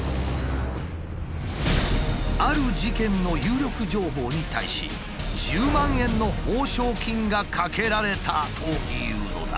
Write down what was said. ある事件の有力情報に対し１０万円の報奨金がかけられたというのだ。